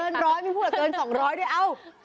เกินร้อยมีผู้หลักเกิน๒๐๐ด้วยเอ้า